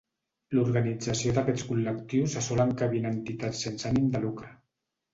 L’organització d’aquests col·lectius se sol encabir en entitats sense ànim de lucre.